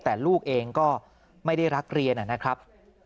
แต่ลูกเองก็ไม่ได้รักเรียนนะครับ